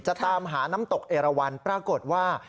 จะตามหาน้ำตกเอราวันปรากฏว่า